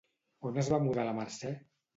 On es va mudar la Mercè?